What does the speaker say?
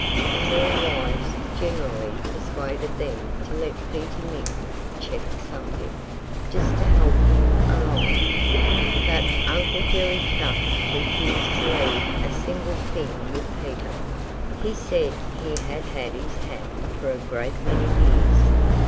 And their wives generally persuaded them to let Peter Mink check something, just to help him along. But Uncle Jerry Chuck refused to leave a single thing with Peter. He said he had had his hat for a great many years.